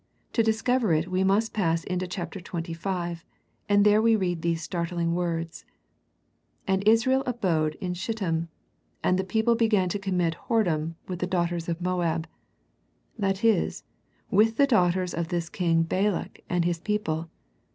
To discover it we must pass into chapter twenty five, and there we read these startling words, " And Israel abode in Shittim, and the people began to commit whoredom with the daughters of Moab "— that is, with the daughters of this king Balak, and his peo ple.